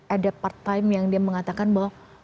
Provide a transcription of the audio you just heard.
ada part time yang dia mengatakan bahwa